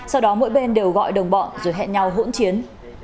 sau đó mỗi bên đều gọi đồng bọn rồi hẹn nhau hỗn chiến